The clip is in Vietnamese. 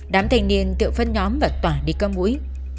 đám thanh niên tự phân nhóm và tỏa đi có mũi